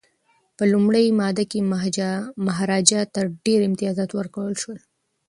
په لومړۍ ماده کي مهاراجا ته ډیر امتیازات ورکړل شول.